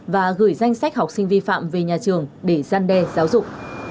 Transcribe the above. và gửi danh sách học sinh vi phạm về nhà trường để gian đe giáo dục